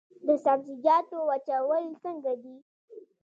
د سبزیجاتو وچول څنګه دي؟